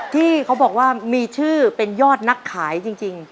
ที่เขาบอกว่ามีชื่อเป็นยอดนักขายจริง